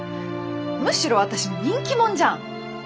むしろ私人気者じゃん。